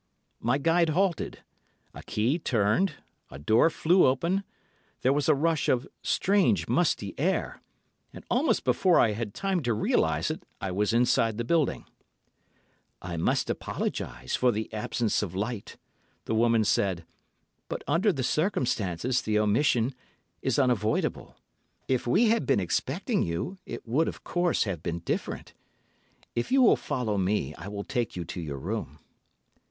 My guide halted—a key turned, a door flew open—there was a rush of strange, musty air, and almost before I had time to realise it, I was inside the building. 'I must apologise for the absence of light,' the woman said, 'but under the circumstances the omission is unavoidable. If we had been expecting you, it would, of course, have been different. If you will follow me, I will take you to your room.